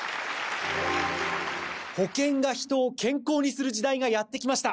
保険が人を健康にする時代がやってきました！